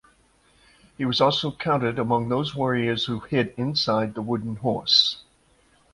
He was also counted among those warriors who hid inside the Wooden Horse.